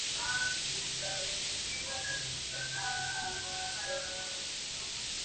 Esta temporada no habrá descensos a Primera Nacional.